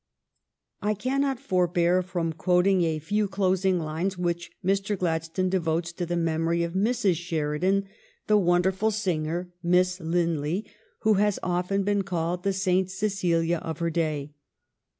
I cannot forbear from quoting a few closing lines which Mr. Gladstone devotes to the memory of Mrs. Sheridan, the wonderful singer Miss Lin ley, who has often been called the Saint Cecilia of her day.